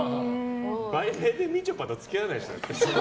売名でみちょぱと付き合わないでしょ。